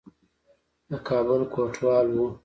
د کابل کوټوال وو.